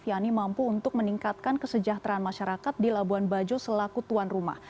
yang ini mampu untuk meningkatkan kesejahteraan masyarakat di labuan bajo selaku tuan rumah